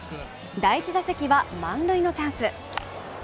第１打席は満塁のチャンス。